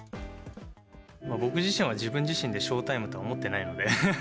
僕自身は、自分自身でショータイムとは思ってないので。